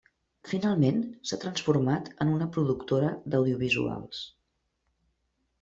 Finalment, s'ha transformat en una productora d'audiovisuals.